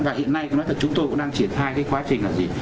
và hiện nay chúng tôi cũng đang triển thai cái quá trình là gì